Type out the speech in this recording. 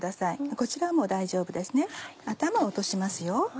こちらはもう大丈夫ですね頭を落とします。